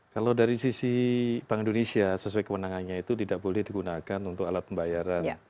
kalau dari sisi bank indonesia sesuai kewenangannya itu tidak boleh digunakan untuk alat pembayaran